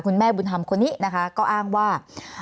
คุณแม่บุญธรรมคนนี้นะคะก็อ้างว่า